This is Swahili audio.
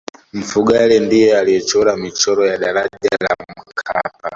mfugale ndiye aliyechora michoro ya daraja la mkapa